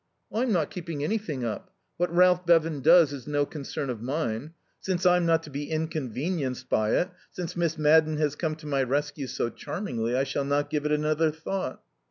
"I'm not keeping anything up. What Ralph Bevan does is no concern of mine. Since I'm not to be inconvenienced by it since Miss Madden has come to my rescue so charmingly I shall not give it another thought."